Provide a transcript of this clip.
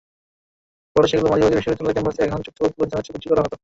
পরে সেগুলো মালিবাগে বিশ্ববিদ্যালয় ক্যাম্পাসে এনে চুক্তিবদ্ধ লোকজনের কাছে বিক্রি করা হতো।